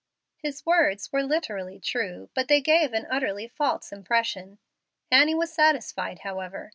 His words were literally true, but they gave an utterly false impression. Annie was satisfied, however.